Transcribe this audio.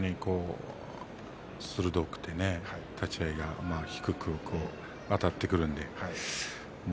鋭くてね、立ち合いが低くあたってくるので。